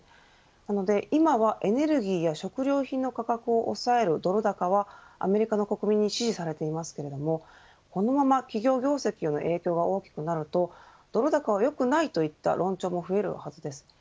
なので今はエネルギーや食料品の価格を抑えるドル高はアメリカの国民に支持されていますけれどもこのまま企業業績の影響が大きくなると、ドル高は良くないといった論調も増えるはずです。